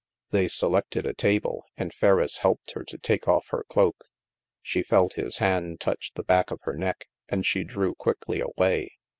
They selected a table, and Ferriss helped her to take off her cloak. She felt his hand touch the back of her neck, and she drew quickly away.